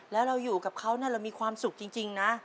แล้วเราอยู่กับเขาเรามีความสุขจริงนะ